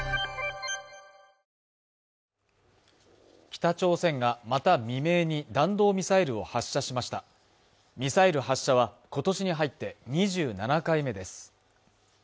北朝鮮がまた未明に弾道ミサイルを発射しましたミサイル発射は今年に入って２７回目です